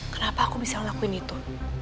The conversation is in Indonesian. kenapa aku bisa ngelakuin itu